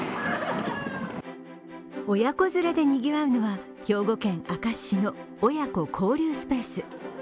親子連れでにぎわうのは、兵庫県明石市の親子交流スペース。